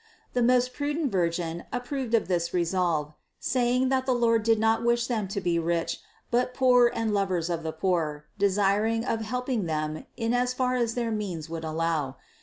The most prudent Virgin ap proved of this resolve, saying that the Lord did not wish them to be rich, but poor and lovers of the poor, desir ous of helping them in as far as their means would allow.